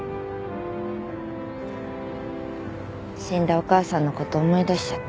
死んだお母さんの事思い出しちゃった。